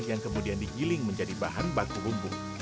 yang kemudian digiling menjadi bahan baku bumbu